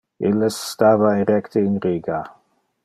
Illes stava erecte in riga.